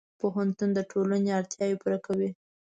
پوهنتون د ټولنې اړتیاوې پوره کوي.